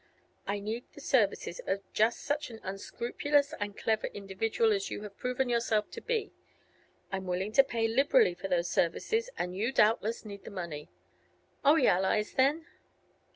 "I need the services of just such an unscrupulous and clever individual as you have proven yourself to be. I'm willing to pay liberally for those services, and you doubtless need the money. Are we allies, then?"